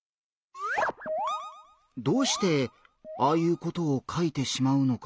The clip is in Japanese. どうしてああいうことを書いてしまうのかな？